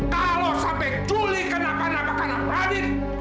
kalau sampai juli kenakan apa akanan radit